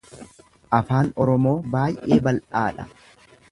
Aadaan Oromoo baay'ee bal'aadha.